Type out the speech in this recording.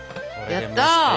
やった！